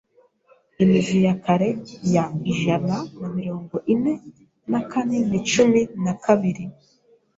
Imizi ya kare ya ijana na mirongo ine na kane ni cumi na kabiri.